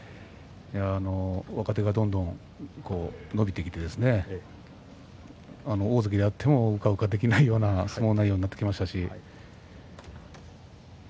若手がどんどん伸びてきてですね大関であってもうかうかできないような相撲内容になってきましたし。